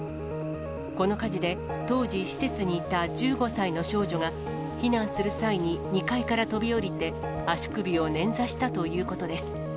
この火事で、当時施設にいた１５歳の少女が、避難する際に２階から飛び降りて、足首を捻挫したということです。